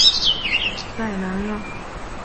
代兰让。